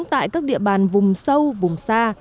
tại các địa bàn vùng sâu vùng xa